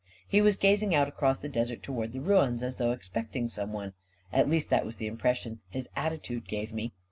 He was gazing out across the desert toward the ruins, as though expecting some one. At least, that 232 A 1 KING IN BABYLON was the impression his attitude gave me.